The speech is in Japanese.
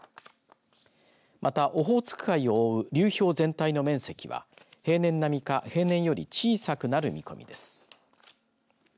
また、オホーツク海を覆う流氷全体の面積は平年並みか平年より小さくなる見込みです。